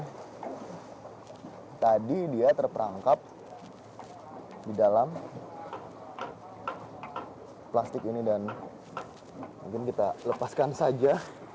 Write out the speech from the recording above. nah tadi dia terperangkap di dalam plastik ini dan mungkin kita lepaskan saja